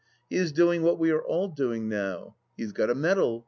He is doing what we are all doing now. He has got a medal.